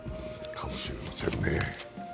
かもしれませんね。